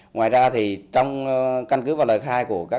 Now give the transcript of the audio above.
ngoài ra trong căn cứ và lời khai của các bị cáo